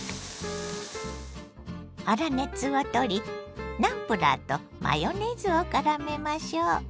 粗熱を取りナムプラーとマヨネーズをからめましょ。